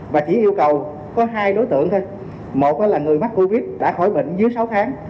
và chỉ yêu cầu có hai đối tượng thôi một là người mắc covid đã khỏi bệnh dưới sáu tháng